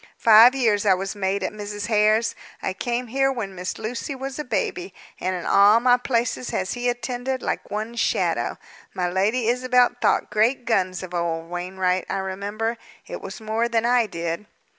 Five years I was maid at Mrs. Hare's. I came here when Miss Lucy was a baby, and in all my places has he attended, like one's shadow. My Lady Isabel thought great guns of old Wainwright, I remember. It was more than I did."